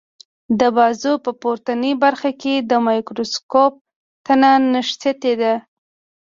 د بازو په پورتنۍ برخه کې د مایکروسکوپ تنه نښتې ده.